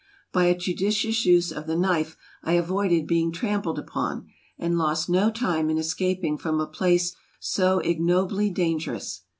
By a judicious use of the knife I avoided being trampled upon, and lost no time in escaping from a place so ignobly dan gerous.